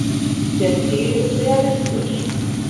Der Stil ist realistisch.